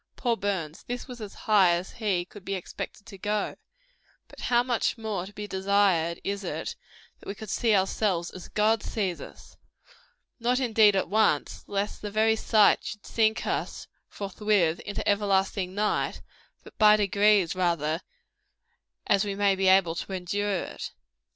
Poor Burns! this was as high as he could be expected to go. But how much more to be desired is it, that we could see ourselves as God sees us? Not indeed at once, lest the very sight should sink us, forthwith, into everlasting night; but by degrees, rather, as we may be able to endure it.